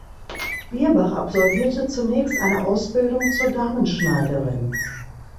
Bierbach absolvierte zunächst eine Ausbildung zur Damenschneiderin.